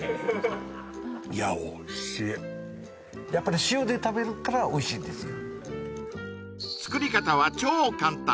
いやおいしいやっぱり塩で食べるからおいしいんですよ